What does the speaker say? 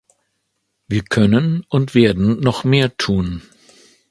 Wir können und werden noch mehr tun.